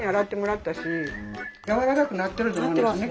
やわらかくなってると思いますね。